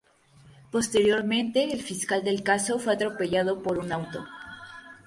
Posteriormente el fiscal del caso fue atropellado por un auto.